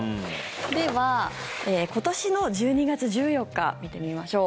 では、今年の１２月１４日見てみましょう。